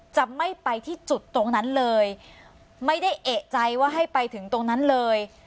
จะไม่ไปที่จุดตรงนั้นเลยไม่ได้เอกใจว่าให้ไปถึงตรงนั้นเลย